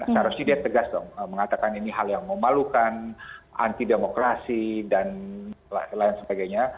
seharusnya dia tegas dong mengatakan ini hal yang memalukan anti demokrasi dan lain sebagainya